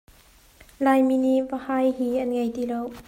Laimi nih vahai hi an ngei ti lo.